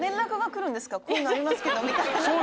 こんなんありますけどみたいな。